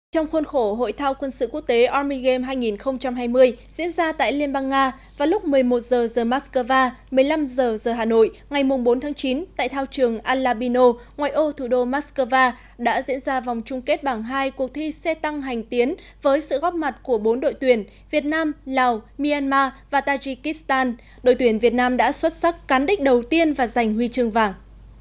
trong khuôn khổ hội thao quân sự quốc tế army game hai nghìn hai mươi diễn ra tại liên bang nga vào lúc một mươi một h giờ moscow một mươi năm h giờ hà nội ngày bốn chín tại thao trường al labino ngoài ô thủ đô moscow đã diễn ra vòng chung kết bảng hai cuộc thi xe tăng hành tiến với sự góp mặt của bốn đội tuyển việt nam lào myanmar và tajikistan đội tuyển việt nam đã xuất sắc cán đích đầu tiên và giành huy chương vàng